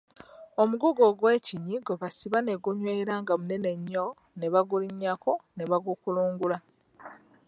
Omugugu ogwekinyi gwe basiba ne gunywera nga munene nnyo, ne bagulinnyako, ne bagukulungula.